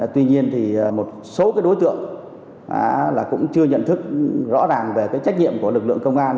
tuy nhiên thì một số đối tượng cũng chưa nhận thức rõ ràng về cái trách nhiệm của lực lượng công an